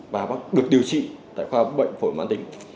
và bác được điều trị tại khoa bệnh phổi mãn tính